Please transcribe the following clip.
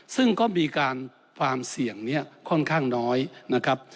ซึ่งก็มีการความเสี่ยงนี้ค่อนข้างน้อยนะครับ